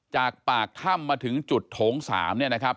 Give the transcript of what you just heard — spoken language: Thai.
จากปากถ้ำมาถึงจุดโถง๓เนี่ยนะครับ